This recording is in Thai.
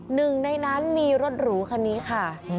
หนึ่งในนั้นมีรถหรูคันนี้ค่ะ